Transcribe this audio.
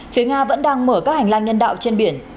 phía nga vẫn đang mở các hành lang nhân đạo trên biển